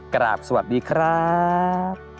กราบสวัสดีครับ